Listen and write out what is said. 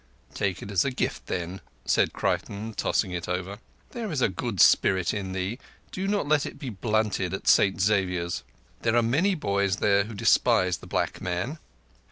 "Take it for a gift, then," said Creighton, tossing it over. "There is a good spirit in thee. Do not let it be blunted at St Xavier's. There are many boys there who despise the black men."